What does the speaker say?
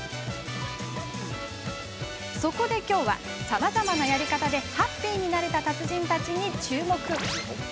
そこで、きょうはさまざまなやり方でハッピーになれた達人たちに注目。